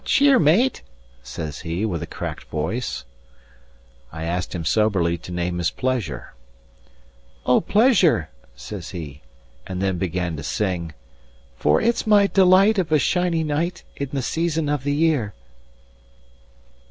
"What cheer, mate?" says he, with a cracked voice. I asked him soberly to name his pleasure. "O, pleasure!" says he; and then began to sing: "For it's my delight, of a shiny night, In the season of the year."